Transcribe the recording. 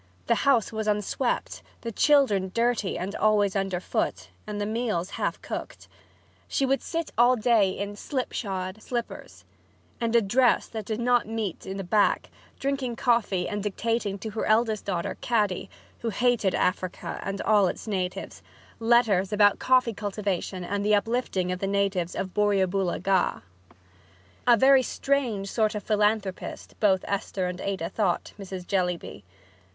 The house was unswept, the children dirty and always under foot, and the meals half cooked. She would sit all day in slipshod slippers and a dress that did not meet in the back, drinking coffee and dictating to her eldest daughter Caddy (who hated Africa and all its natives) letters about coffee cultivation and the uplifting of the natives of Borrioboola Gha. A very strange sort of philanthropist both Esther and Ada thought Mrs. Jellyby.